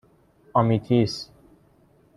آمیتیس